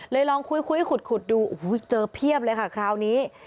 เลยลองคุยคุยขุดขุดดูอุ้ยเจอเพียบเลยค่ะคราวนี้